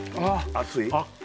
熱い？